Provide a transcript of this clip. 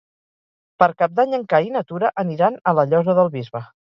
Per Cap d'Any en Cai i na Tura aniran a la Llosa del Bisbe.